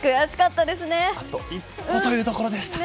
あと一歩というところでした。